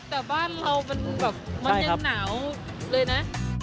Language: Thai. แต่บ้านเรามันยังหนาวเลยนะ